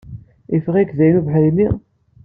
Yeffeɣ-ik dayen ubeḥri-nni?